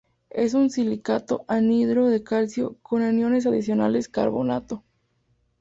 Es un silicato anhidro de calcio con aniones adicionales carbonato.